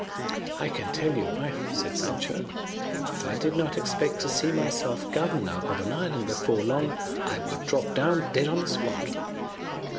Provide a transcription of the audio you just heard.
"I can tell you, wife," said Sancho, "if I did not expect to see myself governor of an island before long, I would drop down dead on the spot."